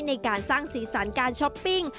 ในการสร้างสีสันการช้อปปิ้ง